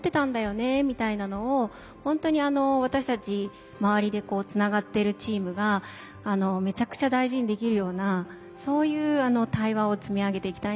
みたいなのを本当に私たち周りでつながっているチームがめちゃくちゃ大事にできるようなそういう対話を積み上げていきたいなと思ってます。